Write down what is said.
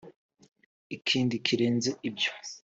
Ikindi kirenze ibyo